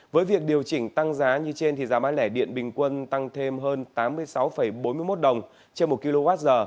với việc điều chỉnh tăng giá như trên thì giá bán lẻ điện bình quân tăng thêm hơn tám mươi sáu bốn mươi một đồng trên một kwh